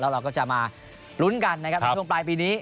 แล้วเราก็จะมาลุ้นกันในช่วงปลายปีนี้